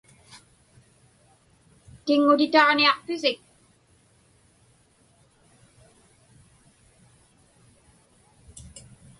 Tiŋŋutitaġniaqpisik?